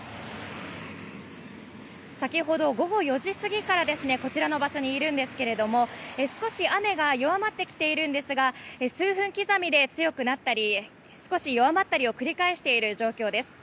先ほど、午後４時過ぎからこちらの場所にいるんですけども少し雨が弱まってきているんですが数分刻みで強くなったり少し弱まったりを繰り返している状況です。